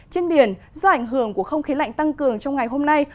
trên biển do ảnh hưởng của không khí lạnh tăng cường trong ngày hôm nay